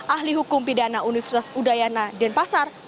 ahli hukum pidana universitas udayana denpasar